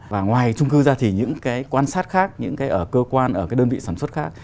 và ngoài trung cư ra thì những cái quan sát khác những cái ở cơ quan ở cái đơn vị sản xuất khác